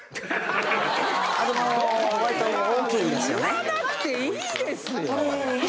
言わなくていいですよ！